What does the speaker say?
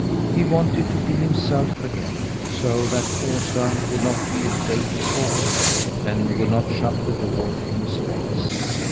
He wanted to be himself again, so that Osa would not be afraid to talk to him and would not shut the door in his face.